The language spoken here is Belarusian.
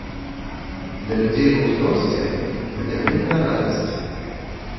Для людзей ва ўзросце гэта вялікая радасць.